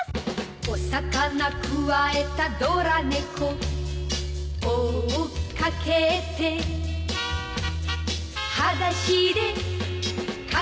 「お魚くわえたドラ猫」「追っかけて」「はだしでかけてく」